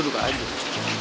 tidak ada yang bisa